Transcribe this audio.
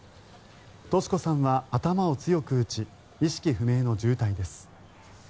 敏子さんは頭を強く打ち意識不明の重体です。